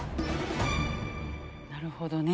なるほどね。